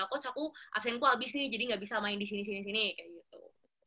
coach aku absenku habis nih jadi gak bisa main di sini sini kayak gitu